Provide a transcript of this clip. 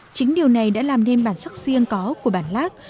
chính điều này đã làm nên bản sắc riêng có của bản lác